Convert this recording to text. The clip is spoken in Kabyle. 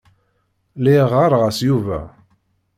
Lliɣ ɣɣareɣ-as Yuba.